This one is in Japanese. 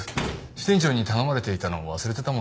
支店長に頼まれていたのを忘れてたもんですから。